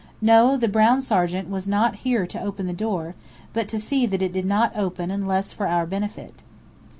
No, the brown sergeant was not here to open the door, but to see that it did not open unless for our benefit.